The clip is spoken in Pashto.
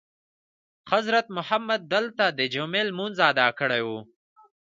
حضرت محمد دلته دجمعې لمونځ ادا کړی وو.